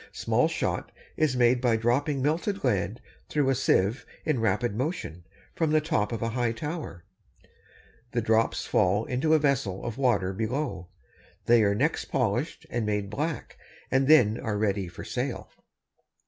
Small shot is made by dropping melted lead through a sieve in rapid motion, from the top of a high tower. The drops fall into a vessel of water below. They are next polished and made black, and then are ready for sale.